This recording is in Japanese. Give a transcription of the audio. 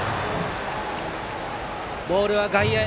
ボールは外野へ。